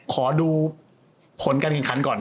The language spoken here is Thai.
ขอดูผลการณ์การคันก่อน